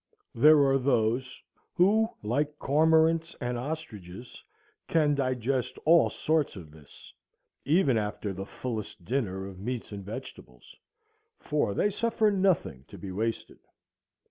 There are those who, like cormorants and ostriches, can digest all sorts of this, even after the fullest dinner of meats and vegetables, for they suffer nothing to be wasted.